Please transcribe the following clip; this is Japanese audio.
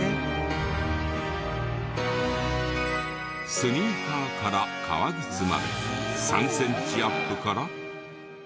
スニーカーから革靴まで３センチアップから。